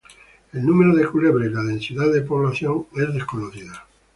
El número de culebras y la densidad de las poblaciones es desconocida.